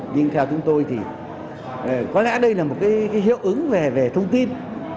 nhưng theo chúng tôi thì có lẽ đây là một cái hiệu ứng về thông tin